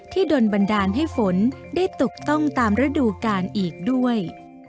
โดนบันดาลให้ฝนได้ตกต้องตามฤดูกาลอีกด้วย